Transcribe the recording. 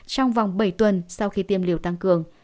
trong vòng bảy tuần sau khi tiêm liều tăng cường